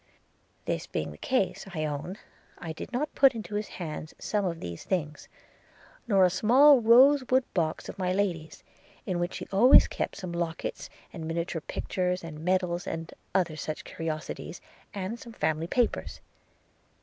– This being the case, I own, I did not put into his hands some of these things, nor a small rose wood box of my Lady's, in which she always kept some lockets, and miniature pictures, and medals, and other such curiosities, and some family papers.